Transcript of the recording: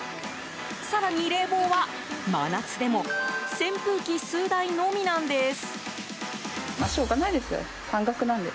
更に冷房は、真夏でも扇風機、数台のみなんです。